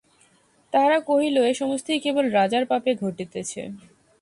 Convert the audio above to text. তাহারা কহিল, এ সমস্তই কেবল রাজার পাপে ঘটিতেছে।